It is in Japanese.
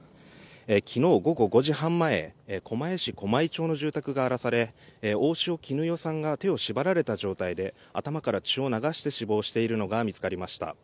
昨日午後５時半前狛江市駒井町の住宅が荒らされ大塩衣與さんが手を縛られた状態で頭から血を流して死亡しているのが見つかりました。